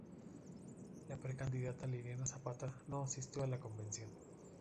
La precandidata Liliana Zapata no asistió a la convención.